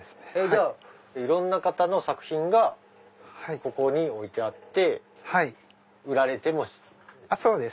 じゃあいろんな方の作品がここに置いてあって売られてるんですか？